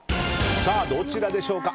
どちらでしょうか？